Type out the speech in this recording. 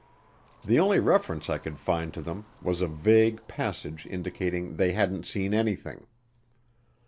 The only reference I could find to them was a vague passage indicating they hadn't seen anything.